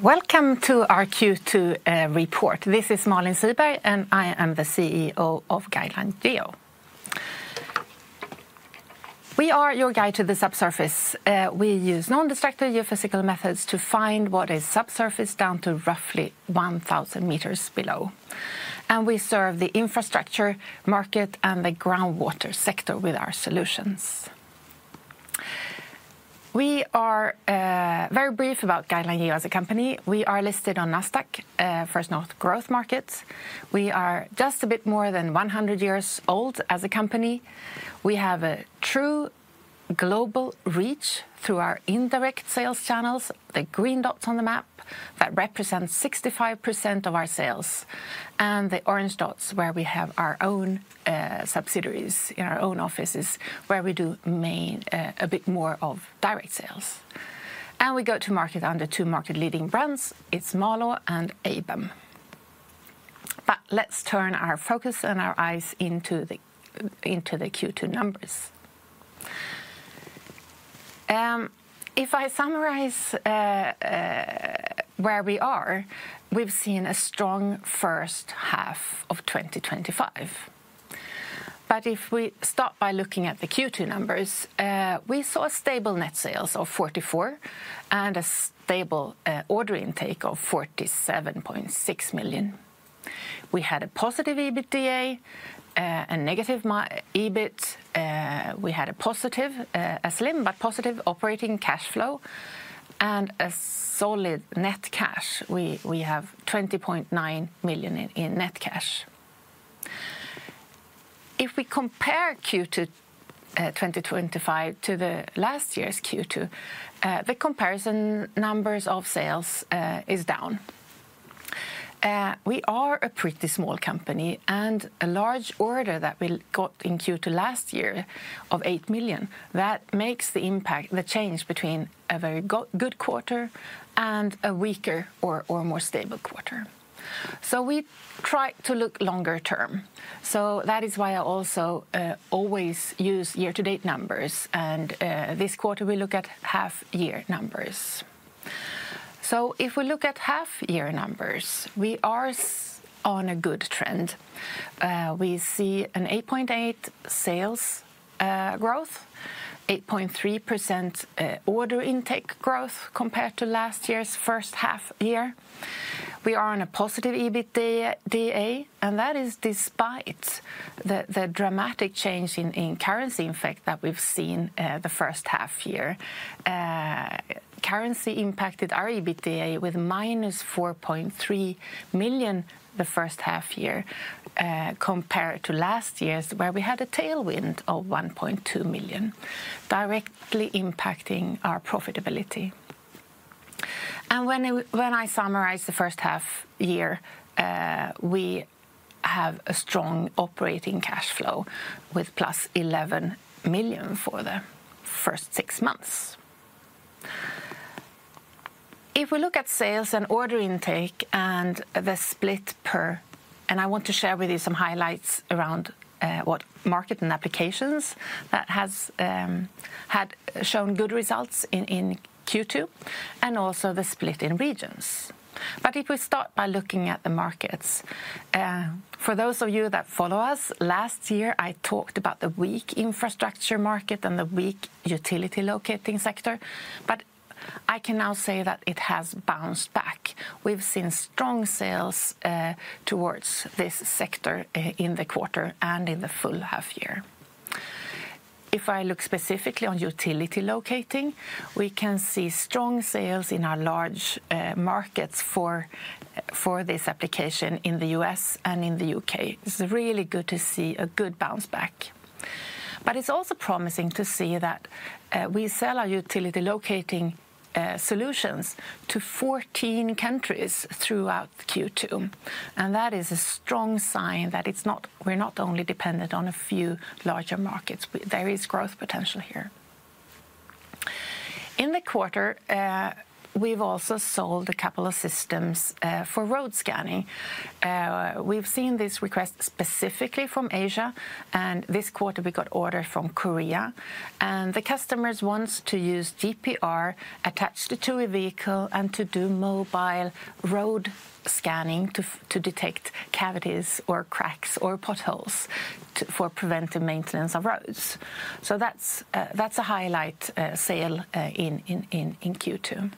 Welcome to our Q2 report. This is Malin Siberg, and I am the CEO of Guideline Geo. We are your guide to the subsurface. We use non-destructive geophysical methods to find what is subsurface down to roughly 1,000 meters below. We serve the infrastructure market and the groundwater sector with our solutions. To be very brief about Guideline Geo as a company, we are listed on NASDAQ First North Growth Market. We are just a bit more than 100 years old as a company. We have a true global reach through our indirect sales channels, the green dots on the map that represent 65% of our sales, and the orange dots where we have our own subsidiaries in our own offices where we do a bit more of direct sales. We go to market under two market-leading brands. It's MALÅ and ABEM. Let's turn our focus and our eyes to the Q2 numbers. If I summarize where we are, we've seen a strong first half of 2025. If we start by looking at the Q2 numbers, we saw stable net sales of 44 million and a stable order intake of 47.6 million. We had a positive EBITDA and negative EBIT. We had a slim but positive operating cash flow and a solid net cash. We have 20.9 million in net cash. If we compare Q2 2025 to last year's Q2, the comparison numbers of sales are down. We are a pretty small company and a large order that we got in Q2 last year of 8 million makes the impact, the change between a very good quarter and a weaker or more stable quarter. We try to look longer term. That is why I also always use year-to-date numbers. This quarter, we look at half-year numbers. If we look at half-year numbers, we are on a good trend. We see an 8.8% sales growth, 8.3% order intake growth compared to last year's first half year. We are on a positive EBITDA, and that is despite the dramatic change in currency effect that we've seen the first half year. Currency impacted our EBITDA with -4.3 million the first half year compared to last year's where we had a tailwind of 1.2 million directly impacting our profitability. When I summarize the first half year, we have a strong operating cash flow with +11 million for the first six months. If we look at sales and order intake and the split per, I want to share with you some highlights around what market and applications have shown good results in Q2 and also the split in regions. If we start by looking at the markets, for those of you that follow us, last year I talked about the weak infrastructure market and the weak utility locating sector. I can now say that it has bounced back. We've seen strong sales towards this sector in the quarter and in the full half year. If I look specifically on utility locating, we can see strong sales in our large markets for this application in the U.S. and in the UK. It's really good to see a good bounce back. It's also promising to see that we sell our utility locating solutions to 14 countries throughout Q2. That is a strong sign that we're not only dependent on a few larger markets. There is growth potential here. In the quarter, we've also sold a couple of systems for road scanning. We've seen this request specifically from Asia, and this quarter we got order from Korea. The customers want to use GPR attached to a vehicle and to do mobile road scanning to detect cavities or cracks or potholes for preventive maintenance of roads. That's a highlight sale in Q2.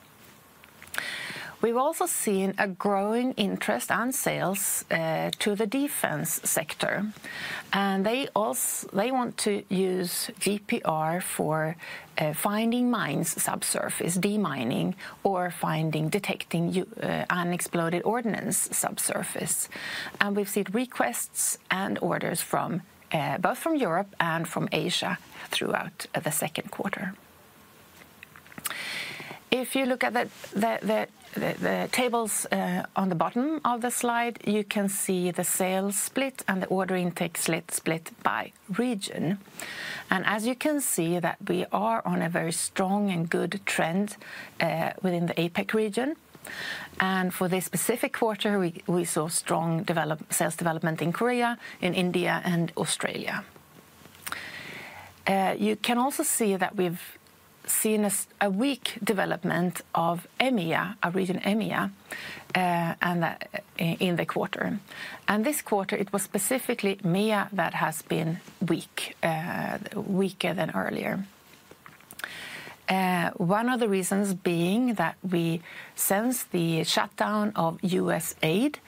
We've also seen a growing interest and sales to the defense sector. They want to use GPR for finding mines subsurface, demining, or finding, detecting unexploded ordnance subsurface. We've seen requests and orders from both Europe and from Asia throughout the second quarter. If you look at the tables on the bottom of the slide, you can see the sales split and the order intake split by region. As you can see, we are on a very strong and good trend within the Asia-Pacific region. For this specific quarter, we saw strong sales development in Korea, in India, and Australia. You can also see that we've seen a weak development of EMEA, our region EMEA, in the quarter. This quarter, it was specifically EMEA that has been weaker, weaker than earlier. One of the reasons being that we sense the shutdown of U.S. aid,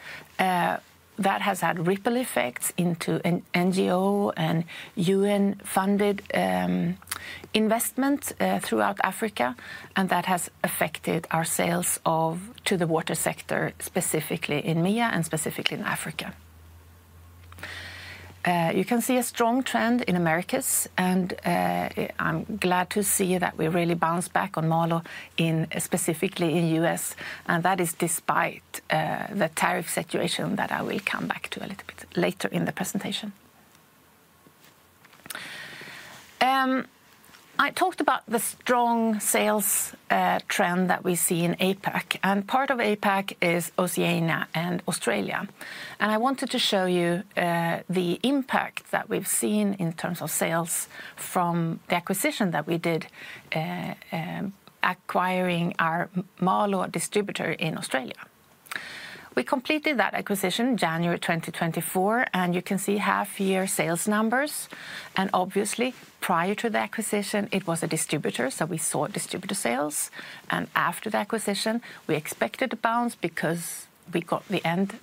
that has had ripple effects into NGO and UN-funded investment throughout Africa. That has affected our sales to the water sector, specifically in EMEA and specifically in Africa. You can see a strong trend in Americas, and I'm glad to see that we really bounced back on MALÅ, specifically in the U.S. That is despite the tariff situation that I will come back to a little bit later in the presentation. I talked about the strong sales trend that we see in APAC. Part of APAC is Oceania and Australia. I wanted to show you the impact that we've seen in terms of sales from the acquisition that we did, acquiring our MALÅ distributor in Australia. We completed that acquisition in January 2024, and you can see half-year sales numbers. Obviously, prior to the acquisition, it was a distributor, so we saw distributor sales. After the acquisition, we expected a bounce because we got the end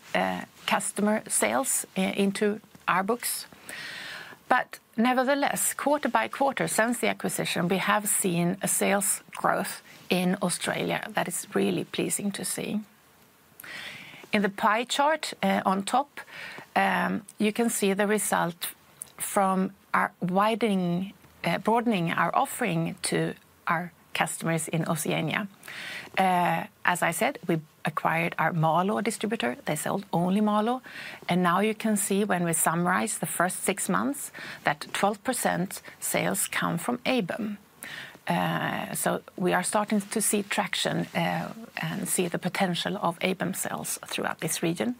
customer sales into our books. Nevertheless, quarter by quarter, since the acquisition, we have seen a sales growth in Australia that is really pleasing to see. In the pie chart on top, you can see the result from broadening our offering to our customers in Oceania. As I said, we acquired our MALÅ distributor. They sold only MALÅ. Now you can see when we summarize the first six months that 12% sales come from ABEM. We are starting to see traction and see the potential of ABEM sales throughout this region.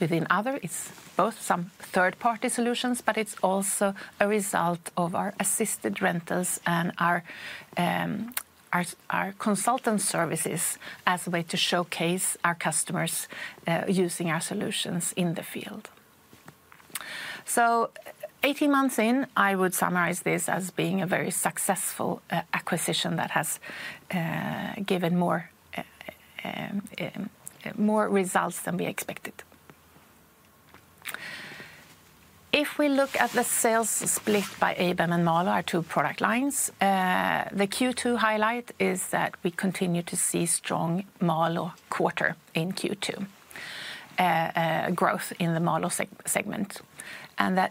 Within other, it's both some third-party solutions, but it's also a result of our assisted rentals and our consultant services as a way to showcase our customers using our solutions in the field. Eighteen months in, I would summarize this as being a very successful acquisition that has given more results than we expected. If we look at the sales split by ABEM and MALÅ, our two product lines, the Q2 highlight is that we continue to see strong MALÅ quarter in Q2, growth in the MALÅ segment.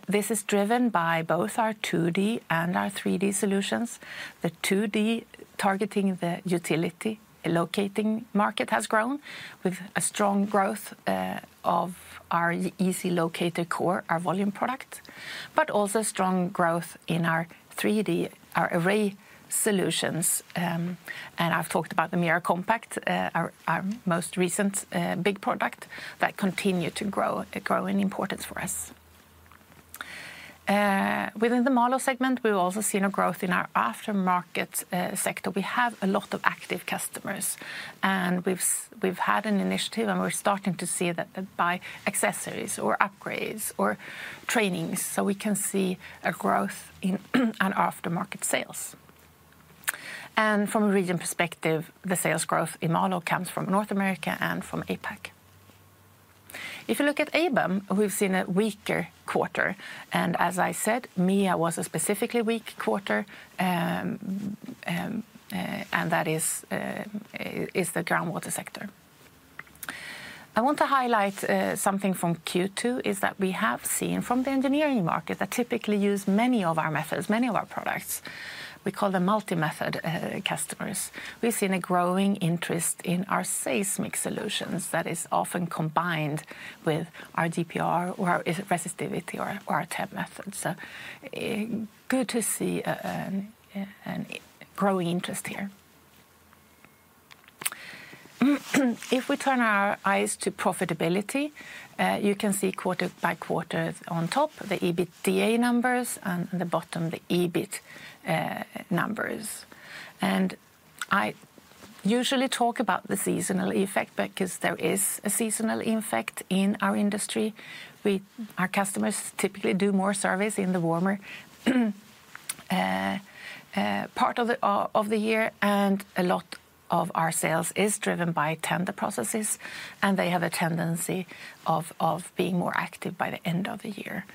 This is driven by both our 2D and our 3D solutions. The 2D targeting the utility locating market has grown with a strong growth of our Easy Locator Core, our volume product, but also strong growth in our 3D, our array solutions. I've talked about the Mira Compact, our most recent big product that continues to grow in importance for us. Within the MALÅ segment, we've also seen a growth in our aftermarket sector. We have a lot of active customers. We've had an initiative, and we're starting to see that by accessories or upgrades or trainings, so we can see a growth in our aftermarket sales. From a region perspective, the sales growth in MALÅ comes from North America and from Asia-Pacific. If you look at ABEM, we've seen a weaker quarter. As I said, EMEA was a specifically weak quarter, and that is the groundwater sector. I want to highlight something from Q2 is that we have seen from the engineering market that typically use many of our methods, many of our products. We call them multi-method customers. We've seen a growing interest in our seismic solutions that are often combined with our GPR or resistivity or our TEM methods. Good to see a growing interest here. If we turn our eyes to profitability, you can see quarter by quarter on top, the EBITDA numbers, and on the bottom, the EBIT numbers. I usually talk about the seasonal effect because there is a seasonal effect in our industry. Our customers typically do more service in the warmer part of the year, and a lot of our sales are driven by tender processes, and they have a tendency of being more active by the end of the year.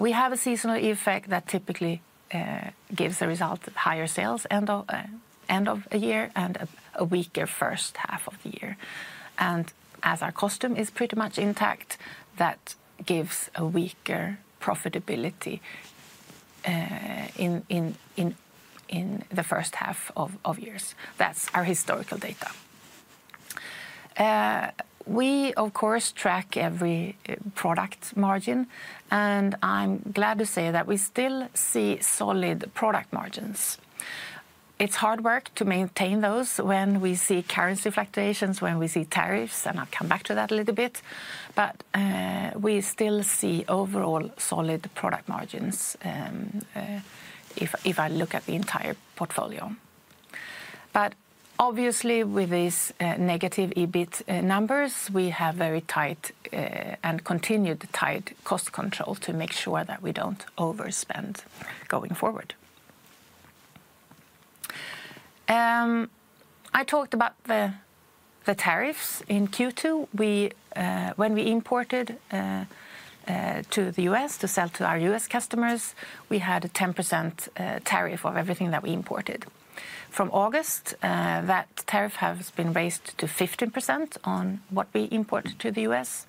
We have a seasonal effect that typically gives a result of higher sales end of the year and a weaker first half of the year. As our cost base is pretty much intact, that gives a weaker profitability in the first half of years. That's our historical data. We, of course, track every product margin, and I'm glad to say that we still see solid product margins. It's hard work to maintain those when we see currency fluctuations, when we see tariffs, and I'll come back to that a little bit. We still see overall solid product margins if I look at the entire portfolio. Obviously, with these negative EBIT numbers, we have very tight and continued tight cost control to make sure that we don't overspend going forward. I talked about the tariffs in Q2. When we imported to the U.S. to sell to our U.S. customers, we had a 10% tariff on everything that we imported. From August, that tariff has been raised to 15% on what we import to the U.S.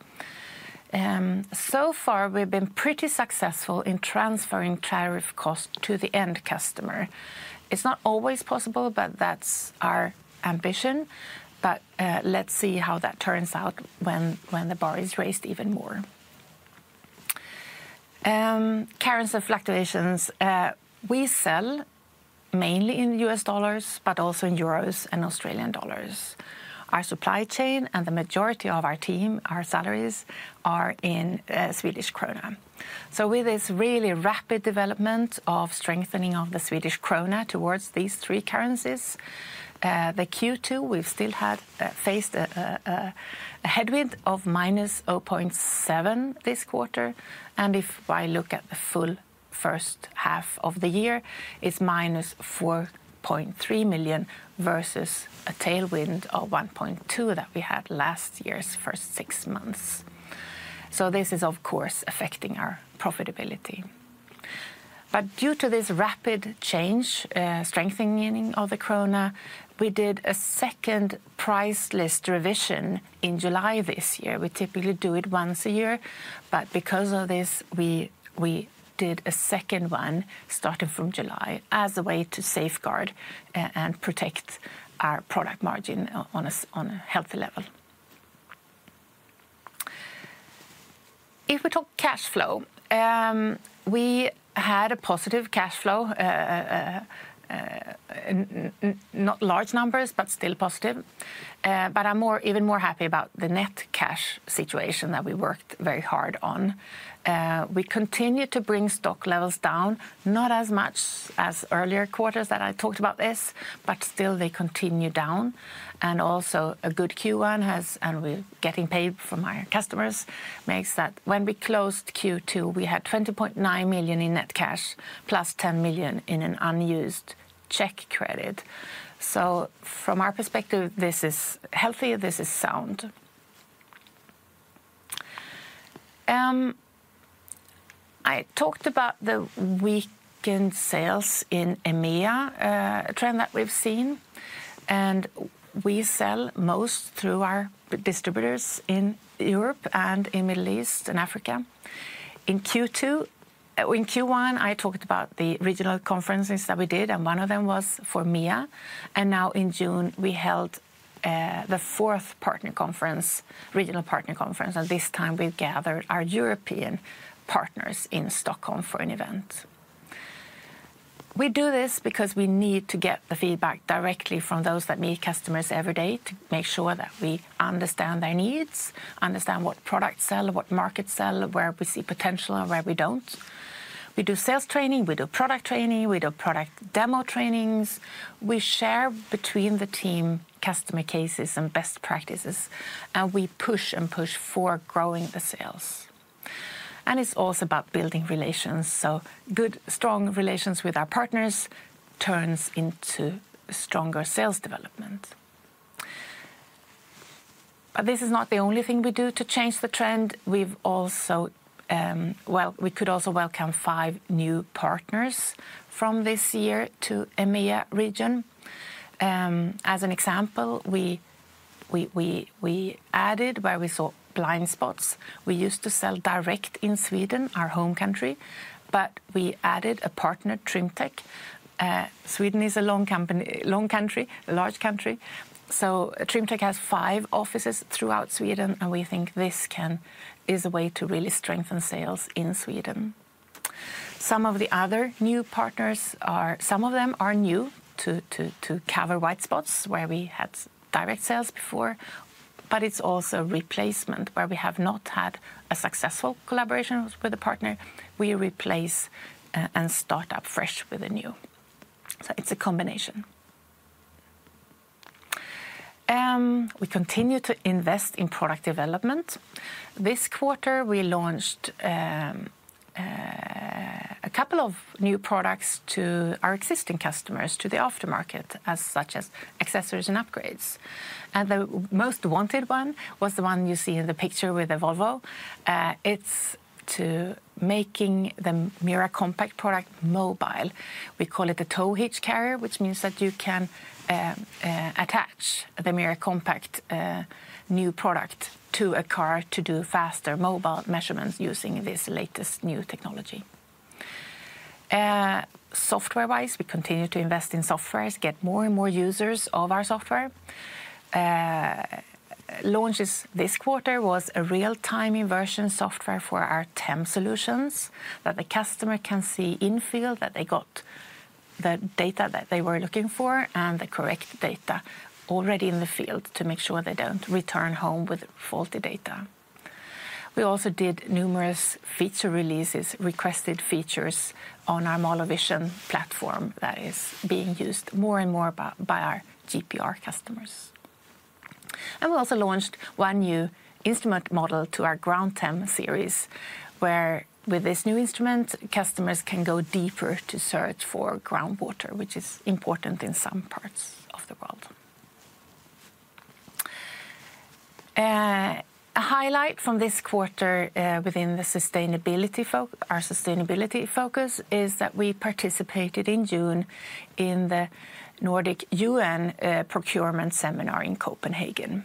So far, we've been pretty successful in transferring tariff costs to the end customer. It's not always possible, but that's our ambition. Let's see how that turns out when the bar is raised even more. Currency fluctuations, we sell mainly in U.S. dollars, but also in euros and Australian dollars. Our supply chain and the majority of our team, our salaries are in Swedish Krona. With this really rapid development of strengthening of the Swedish Krona towards these three currencies, in Q2, we've still faced a headwind of minus 0.7 million this quarter. If I look at the full first half of the year, it's -4.3 million versus a tailwind of -1.2 million that we had last year's first six months. This is, of course, affecting our profitability. Due to this rapid change, strengthening of the Swedish Krona we did a second price list revision in July this year. We typically do it once a year, but because of this, we did a second one starting from July as a way to safeguard and protect our product margin on a healthy level. If we talk cash flow, we had a positive cash flow, not large numbers, but still positive. I'm even more happy about the net cash situation that we worked very hard on. We continue to bring stock levels down, not as much as earlier quarters that I talked about this, but still they continue down. Also, a good Q1 has, and we're getting paid from our customers, makes that when we closed Q2, we had 20.9 million in net cash plus 10 million in an unused check credit. From our perspective, this is healthy, this is sound. I talked about the weakened sales in EMEA, a trend that we've seen. We sell most through our distributors in Europe and in the Middle East and Africa. In Q1, I talked about the regional conferences that we did, and one of them was for EMEA. In June, we held the fourth partner conference, regional partner conference, and this time we've gathered our European partners in Stockholm for an event. We do this because we need to get the feedback directly from those that meet customers every day to make sure that we understand their needs, understand what products sell, what markets sell, where we see potential and where we don't. We do sales training, we do product training, we do product demo trainings. We share between the team customer cases and best practices, and we push and push for growing the sales. It's also about building relations. Good, strong relations with our partners turn into stronger sales development. This is not the only thing we do to change the trend. We've also, we could also welcome five new partners from this year to EMEA region. As an example, we added where we saw blind spots. We used to sell direct in Sweden, our home country, but we added a partner, Trimtech. Sweden is a long country, a large country. Trimtech has five offices throughout Sweden, and we think this is a way to really strengthen sales in Sweden. Some of the other new partners are, some of them are new to cover white spots where we had direct sales before, but it's also a replacement where we have not had a successful collaboration with a partner. We replace and start up fresh with the new. It's a combination. We continue to invest in product development. This quarter, we launched a couple of new products to our existing customers, to the aftermarket, such as accessories and upgrades. The most wanted one was the one you see in the picture with the Volvo. It's to make the Mira Compact product mobile. We call it the tow hitch carrier, which means that you can attach the Mira Compact new product to a car to do faster mobile measurements using this latest new technology. Software-wise, we continue to invest in software, get more and more users of our software. Launch this quarter was a real-time inversion software for our TEM solutions that the customer can see in field that they got the data that they were looking for and the correct data already in the field to make sure they don't return home with faulty data. We also did numerous feature releases, requested features on our MALÅ Vision platform that is being used more and more by our GPR customers. We also launched one new instrument model to our GroundTEM series, where with this new instrument, customers can go deeper to search for groundwater, which is important in some parts of the world. A highlight from this quarter within our sustainability focus is that we participated in June in the Nordic UN procurement seminar in Copenhagen.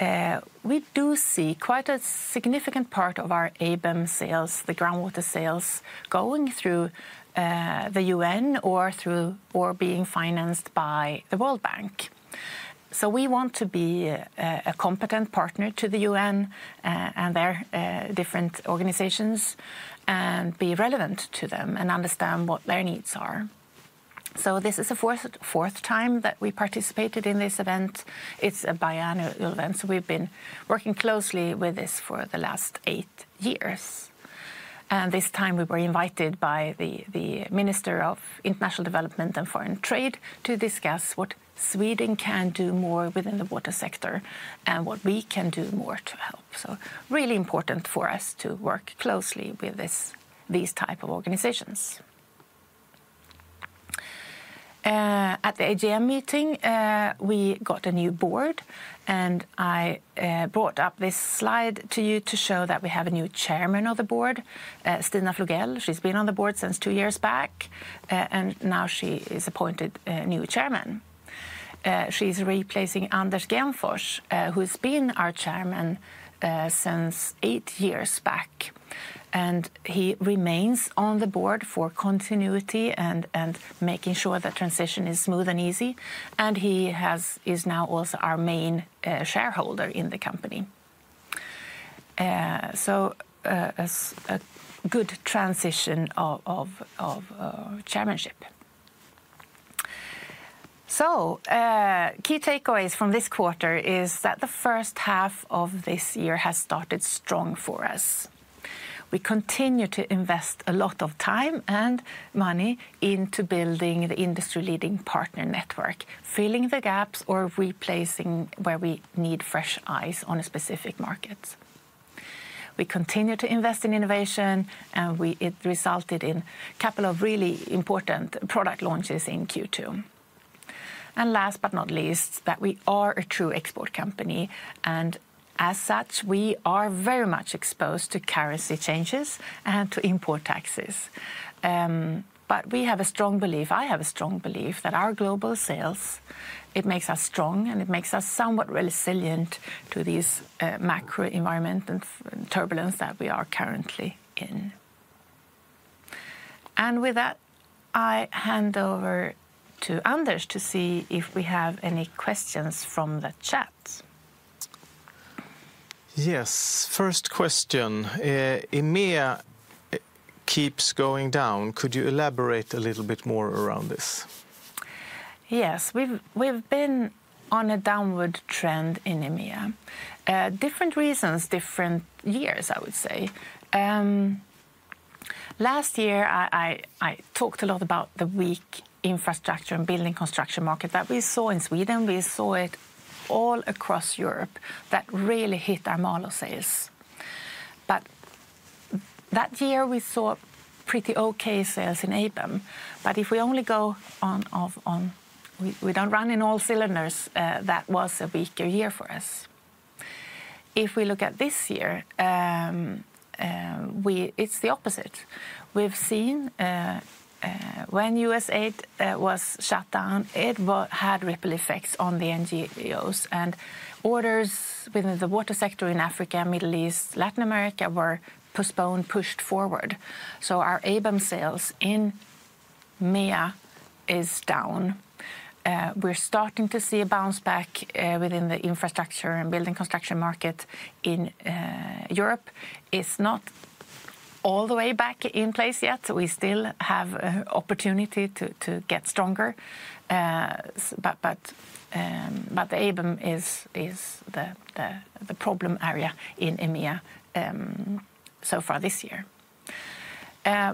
We do see quite a significant part of our ABEM sales, the groundwater sales, going through the UN or being financed by the World Bank. We want to be a competent partner to the UN and their different organizations and be relevant to them and understand what their needs are. This is the fourth time that we participated in this event. It's a biannual event. We've been working closely with this for the last eight years. This time, we were invited by the Minister of International Development and Foreign Trade to discuss what Sweden can do more within the water sector and what we can do more to help. It's really important for us to work closely with these types of organizations. At the AGM meeting, we got a new board, and I brought up this slide to you to show that we have a new Chairman of the Board, Stina Flugell. She's been on the board since two years back, and now she is appointed a new Chairman. She's replacing Anders Gemfors, who's been our Chairman since eight years back. He remains on the board for continuity and making sure that transition is smooth and easy. He is now also our main shareholder in the company. A good transition of our chairmanship. Key takeaways from this quarter are that the first half of this year has started strong for us. We continue to invest a lot of time and money into building the industry-leading partner network, filling the gaps or replacing where we need fresh eyes on specific markets. We continue to invest in innovation, and it resulted in a couple of really important product launches in Q2. Last but not least, we are a true export company. As such, we are very much exposed to currency changes and to import taxes. We have a strong belief, I have a strong belief, that our global sales make us strong and make us somewhat resilient to these macro environmental turbulence that we are currently in. With that, I hand over to Anders to see if we have any questions from the chat. Yes, first question. EMEA keeps going down. Could you elaborate a little bit more around this? Yes, we've been on a downward trend in EMEA. Different reasons, different years, I would say. Last year, I talked a lot about the weak infrastructure and building construction market that we saw in Sweden. We saw it all across Europe. That really hit our MALÅ sales. That year, we saw pretty okay sales in ABEM. If we only go on, we don't run in all cylinders. That was a weaker year for us. If we look at this year, it's the opposite. We've seen when U.S. aid was shut down, it had ripple effects on the NGOs. Orders within the water sector in Africa, Middle East, Latin America were postponed, pushed forward. Our ABEM sales in EMEA are down. We're starting to see a bounce back within the infrastructure and building construction market in Europe. It's not all the way back in place yet. We still have an opportunity to get stronger. ABEM is the problem area in EMEA so far this year.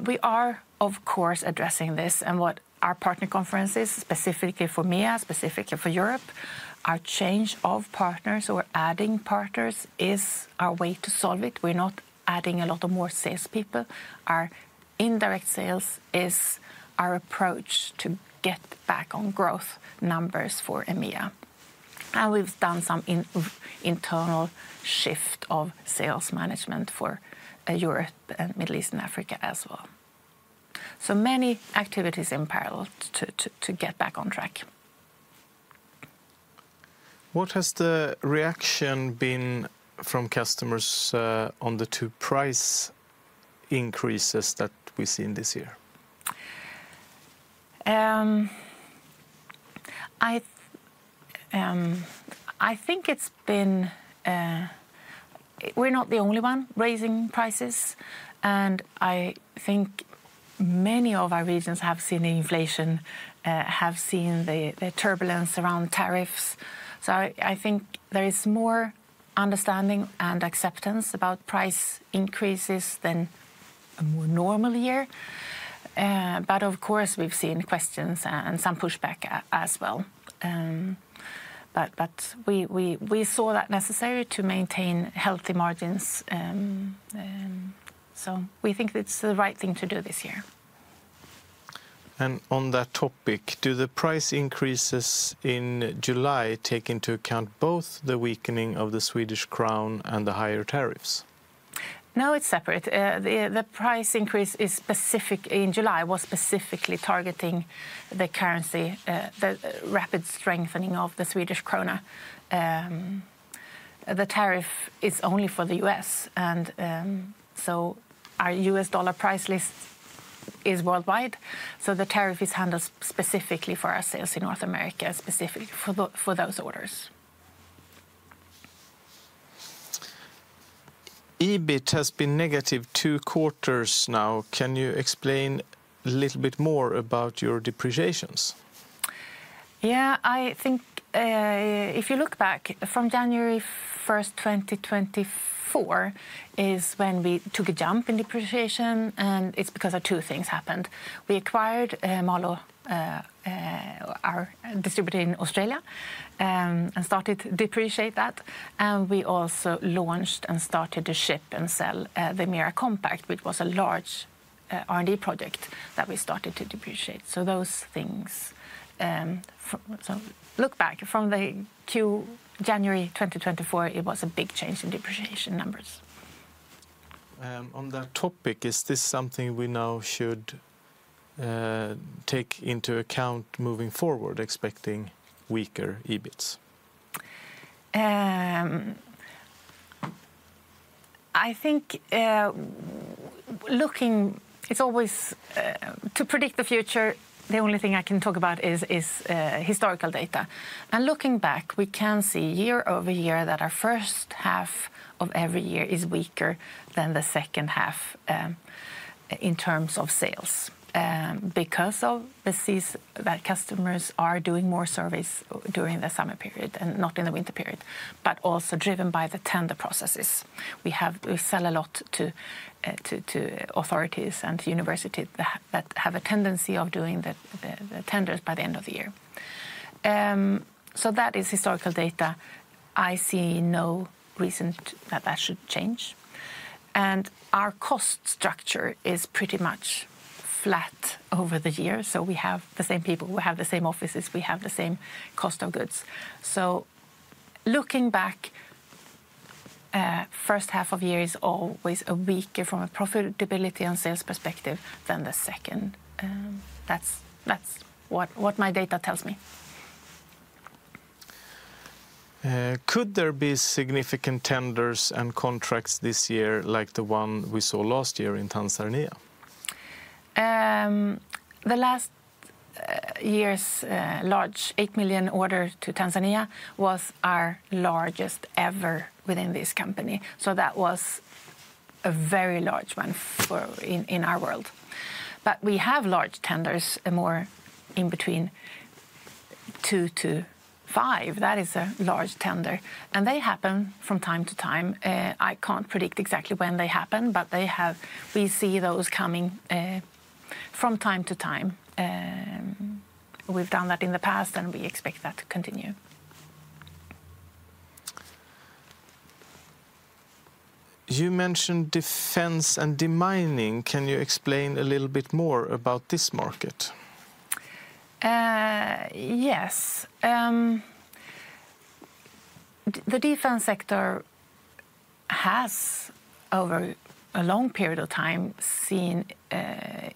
We are, of course, addressing this. At our partner conferences, specifically for EMEA, specifically for Europe, our change of partners or adding partners is our way to solve it. We're not adding a lot of more salespeople. Our indirect sales is our approach to get back is worldwide, so the tariff is handled specifically for our sales in North America, specifically for those orders. EBIT has been negative two quarters now. Can you explain a little bit more about your depreciations? Yeah, I think if you look back from January 1st, 2024, is when we took a jump in depreciation. It's because two things happened. We acquired MALÅ, our distributor in Australia, and started to depreciate that. We also launched and started to ship and sell the Mira Compact, which was a large R&D project that we started to depreciate. Those things, if you look back from Q1 2024, it was a big change in depreciation numbers. On that topic, is this something we now should take into account moving forward, expecting weaker EBITs? I think looking, it's always to predict the future. The only thing I can talk about is historical data. Looking back, we can see year over year that our first half of every year is weaker than the second half in terms of sales because of the season that customers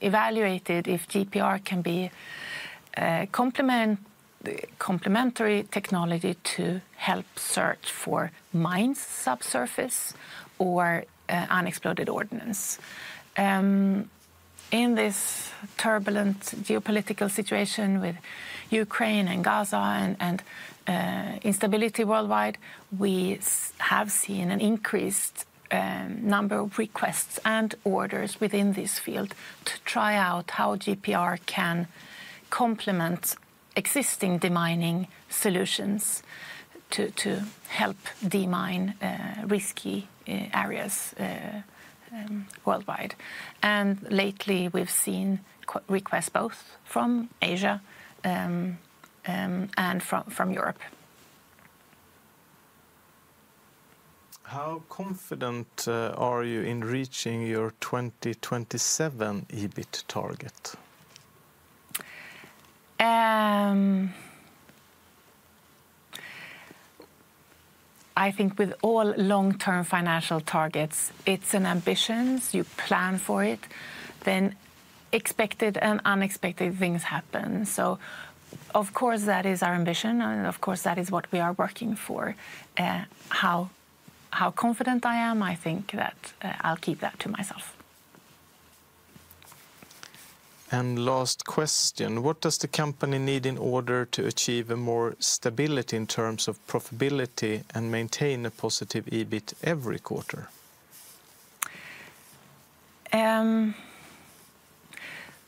evaluated if GPR can be a complementary technology to help search for mines subsurface or unexploded ordnance. In this turbulent geopolitical situation with Ukraine and Gaza and instability worldwide, we have seen an increased number of requests and orders within this field to try out how GPR can complement existing demining solutions to help demine risky areas worldwide. Lately, we've seen requests both from Asia and from Europe. How confident are you in reaching your 2027 EBIT target? I think with all long-term financial targets, it's an ambition. You plan for it. Expected and unexpected things happen. Of course, that is our ambition, and that is what we are working for. How confident I am, I think that I'll keep that to myself. What does the company need in order to achieve more stability in terms of profitability and maintain a positive EBIT every quarter?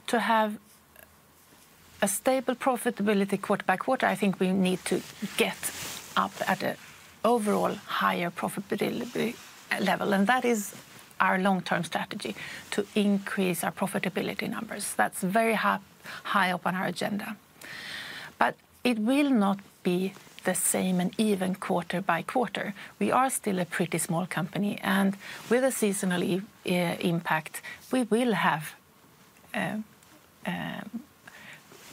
To have a stable profitability quarter by quarter, I think we need to get up at an overall higher profitability level. That is our long-term strategy to increase our profitability numbers. That's very high up on our agenda. It will not be the same even quarter by quarter. We are still a pretty small company, and with a seasonal impact, we will have,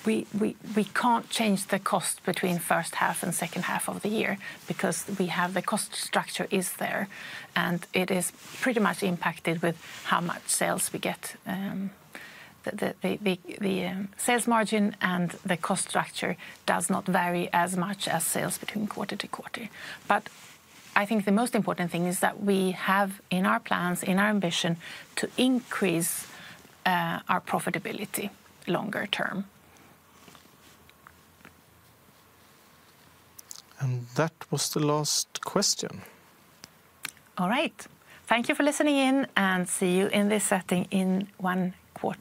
we can't change the cost between the first half and second half of the year because we have the cost structure there. It is pretty much impacted with how much sales we get. The sales margin and the cost structure do not vary as much as sales between quarter to quarter. I think the most important thing is that we have in our plans, in our ambition to increase our profitability longer term. That was the last question. All right. Thank you for listening in and see you in this setting in one quarter.